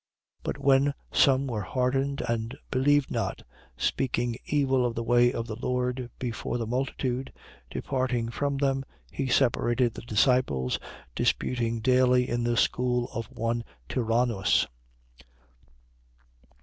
19:9. But when some were hardened and believed not, speaking evil of the way of the Lord before the multitude, departing from them, he separated the disciples, disputing daily in the school of one Tyrannus.